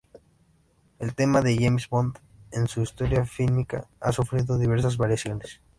El "Tema de James Bond" en su historia fílmica ha sufrido diversas variaciones.